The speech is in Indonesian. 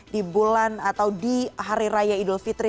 di bulan atau di hari raya idul fitri